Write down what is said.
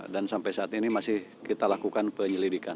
dan sampai saat ini masih kita lakukan penyelidikan